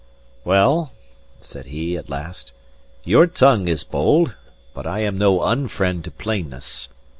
"Well," said he, at last, "your tongue is bold; but I am no unfriend to plainness.